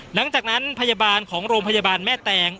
หลังจากนั้นพยาบาลของโรงพยาบาลแม่แตง